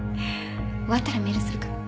終わったらメールするから。